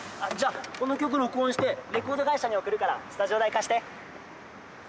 じゃこの曲録音してレコード会社に送るからスタジオ代貸して。